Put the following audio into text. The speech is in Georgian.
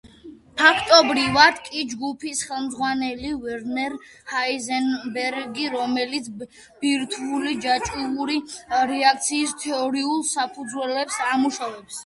ფაქტობრივად კი ჯგუფის ხელმძღვანელი ვერნერ ჰაიზენბერგი, რომელიც ბირთვული ჯაჭვური რეაქციის თეორიულ საფუძვლებს ამუშავებდა.